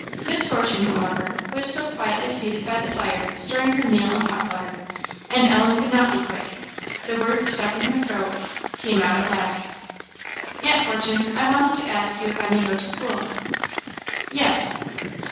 Miss Fortune, however, was still quietly seated by the fire stirring her meal and hop water, and Ellen could not be quick; the words stuck in her throat came out at last. "Aunt Fortune, I wanted to ask you if I may go to school." "Yes."